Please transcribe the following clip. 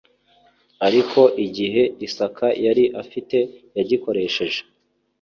Ariko igihe Isaka yari afite yagikoresheje